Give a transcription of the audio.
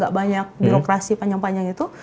gak banyak birokrasi panjang panjang itu